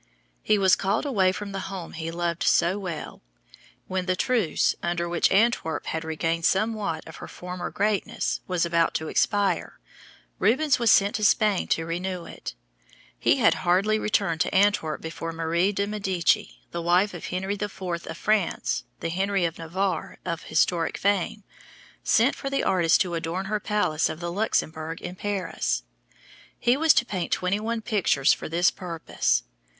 He was called away from the home he loved so well. In 1619, when the truce, under which Antwerp had regained somewhat of her former greatness, was about to expire, Rubens was sent to Spain to renew it. He had hardly returned to Antwerp before Marie de Medicis, the wife of Henry IV. of France the Henry of Navarre, of historic fame sent for the artist to adorn her palace of the Luxemburg in Paris. He was to paint twenty one pictures for this purpose.